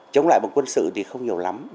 chống lại bằng quân sự không nhiều lắm